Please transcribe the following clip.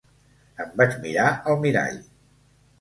Em vaig mirar al mirall.